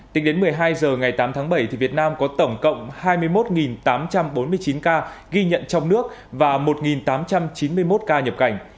tính đến một mươi hai h ngày tám tháng bảy việt nam có tổng cộng hai mươi một tám trăm bốn mươi chín ca ghi nhận trong nước và một tám trăm chín mươi một ca nhập cảnh